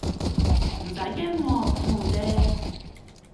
唔使驚喎，感冒啫